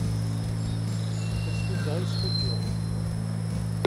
D asfuǧǧeɣ i yesfuǧǧuɣ.